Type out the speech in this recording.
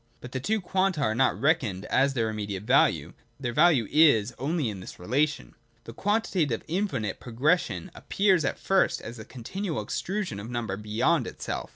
But the two quanta are not reckoned at their immediate value : their value is only in this relation. The quantitative infinite progression appears at first as a continual extrusion of number beyond itself.